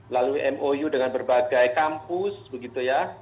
lalu mou dengan berbagai kampus begitu ya